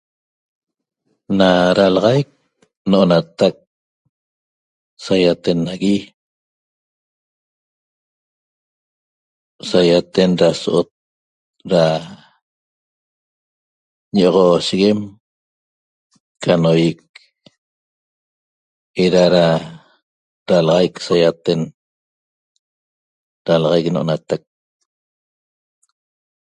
Na dalaxaic no'onatac saýaten nagui saýaten da so'ot da ño'oxosheguem ca noýic era ra ralaxaic saýaten dalaxaic no'onatac